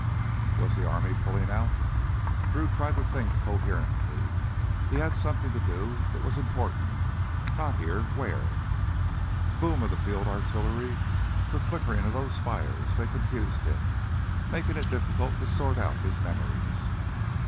Was the army pulling out? Drew tried to think coherently. He had something to do. It was important! Not here where? The boom of the field artillery, the flickering of those fires, they confused him, making it difficult to sort out his memories.